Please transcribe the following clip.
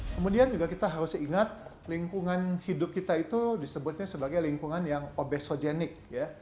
kemudian juga kita harus ingat lingkungan hidup kita itu disebutnya sebagai lingkungan yang obesogenik